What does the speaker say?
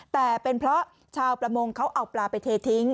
แต่เป็นเพราะชาวประมงเขาเอาปลาไปเททิ้ง